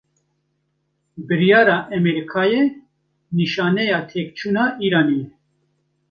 Biryara Emerîkayê, nîşaneya têkçûna Îranê ye